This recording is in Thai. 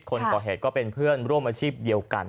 คนก่อเหตุก็เป็นเพื่อนร่วมอาชีพเดียวกัน